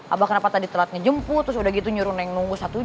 abah kenapa tadi telat ngejemput terus udah gitu nyuruh neng nunggu satu jam